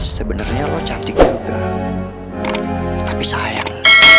sebenarnya lo cantik juga tapi sayang